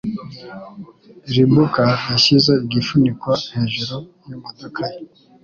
Ribuka yashyize igifuniko hejuru yimodoka ye.